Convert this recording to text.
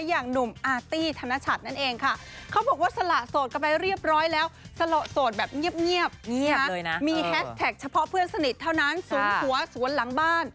อย่างหนุ่มอาร์ตี้ธนชัดนั่นเองค่ะเขาบอกว่าสละโสดกันไปเรียบร้อยแล้วสละโสดแบบเงียบมีแฮสแท็กเฉพาะเพื่อนสนิทเท่านั้นสูงหัวสวนหลังบ้าน